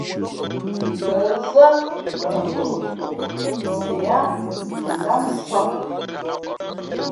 Ngα̌ zά tαʼ noʼ tok mα ǎ mʉndámsāk.